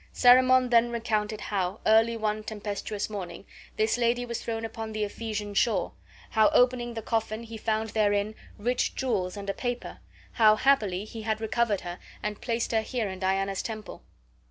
Cerimon then recounted how, early one tempestuous morning, this lady was thrown upon the Ephesian shore; how, opening the coffin, he found therein rich jewels and a paper; how, happily, he recovered her and placed her here in Diana's temple.